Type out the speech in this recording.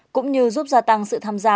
cũng như giúp gia tăng sự tham gia